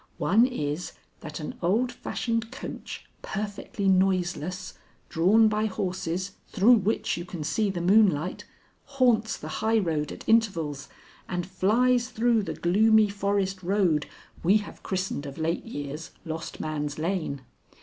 One is, that an old fashioned coach, perfectly noiseless, drawn by horses through which you can see the moonlight, haunts the highroad at intervals and flies through the gloomy forest road we have christened of late years Lost Man's Lane.